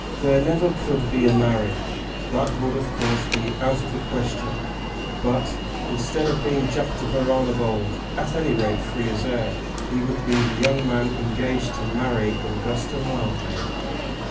There never could be a marriage. That would, of course, be out of the question. But, instead of being the Jack De Baron of old, at any rate free as air, he would be the young man engaged to marry Augusta Mildmay.